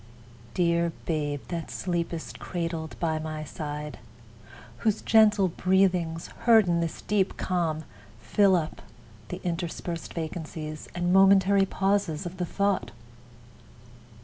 Dear Babe, that sleepest cradled by my side, Whose gentle breathings, heard in this deep calm, Fill up the interspersed vacancies And momentary pauses of the thought!